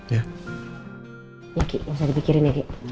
ya ki gak usah dipikirin ya ki